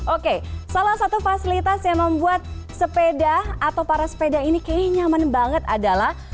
oke salah satu fasilitas yang membuat sepeda atau para sepeda ini kayaknya nyaman banget adalah